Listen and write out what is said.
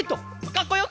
かっこよく！